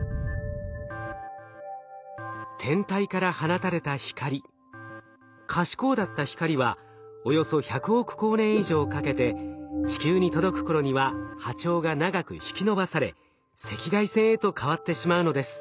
天体から放たれた光可視光だった光はおよそ１００億光年以上かけて地球に届く頃には波長が長く引き伸ばされ赤外線へと変わってしまうのです。